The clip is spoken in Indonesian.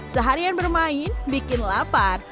seharian bermain bikin lapar